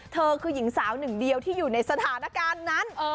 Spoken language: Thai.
เธอคือหญิงสาวหนึ่งเดียวที่อยู่ในสถานการณ์นั้น